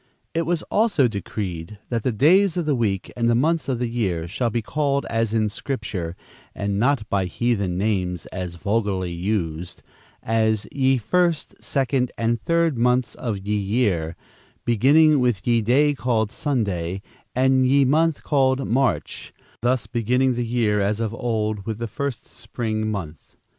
It was also decreed that the days of the week and the months of the year "shall be called as in Scripture, and not by heathen names (as are vulgarly used), as ye First, Second and Third months of ye year, beginning with ye day called Sunday, and ye month called March," thus beginning the year, as of old, with the first spring month.